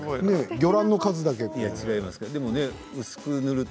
魚卵の数かなって。